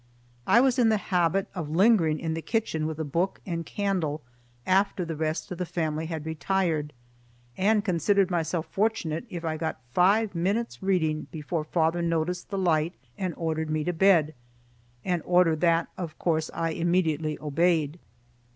I was in the habit of lingering in the kitchen with a book and candle after the rest of the family had retired, and considered myself fortunate if I got five minutes' reading before father noticed the light and ordered me to bed; an order that of course I immediately obeyed.